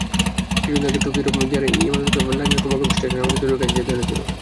কিছুদিন আগে টোকিওর জেআর ইয়ামানোতে লাইনের কোমাগোমে স্টেশনে আমাকে জরুরি কাজে যেতে হয়েছিল।